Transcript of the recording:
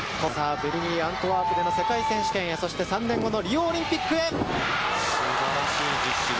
ベルギー・アントワープでの世界選手権へ、そして３年後のリオオすばらしい！